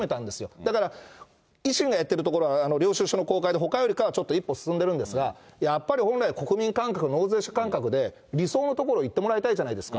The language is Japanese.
だから、維新がやってるところは、領収書の公開でほかよりかはちょっと一歩進んでるんですが、やっぱり本来、国民感覚納税者感覚で、理想のところいってもらいたいじゃないですか。